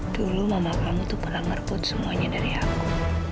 dulu mama kamu tuh pernah ngerebut semuanya dari aku